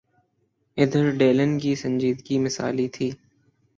ادھر ڈیلن کی سنجیدگی مثالی تھی۔